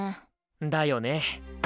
だよね。